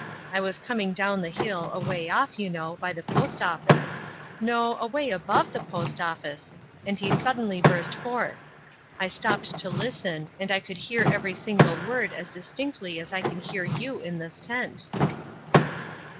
I was coming down the hill, away off, you know, by the post office no, away above the post office, and he suddenly burst forth. I stopped to listen, and I could hear every single word as distinctly as I can hear you in this tent."